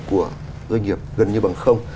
của doanh nghiệp gần như bằng không